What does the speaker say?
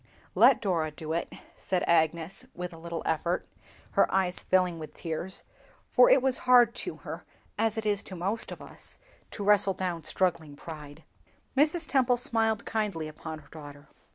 "Let Dora do it," said Agnes, with a little effort, her eyes filling with tears, for it was hard to her, as it is to most of us, to wrestle down struggling pride. Mrs. Temple smiled kindly upon her daughter.